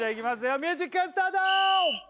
ミュージックスタート！